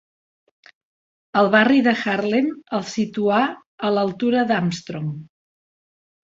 El barri de Harlem el situà a l'altura d'Armstrong.